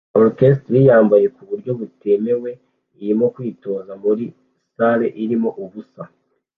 Orchestre yambaye kuburyo butemewe irimo kwitoza muri salle irimo ubusa